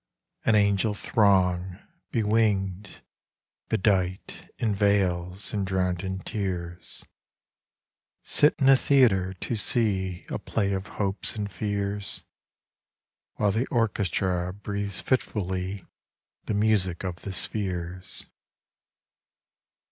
An angel throng, bewinged, bedightIn veils, and drowned in tears, Sit in a theatre, to seeA play of hopes and fears, While the orchestra breathes fitfullyThe music of the spheres.